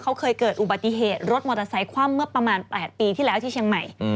เขาเคยเกิดอุบัติเหตุรถมอเตอร์ไซคว่ำเมื่อประมาณ๘ปีที่แล้วที่เชียงใหม่